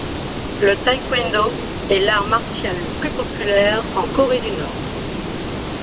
Le taekwondo est l'art martial le plus populaire en Corée du Nord.